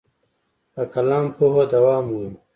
په قلم پوهه دوام مومي.